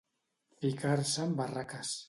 Ficar-se en barraques.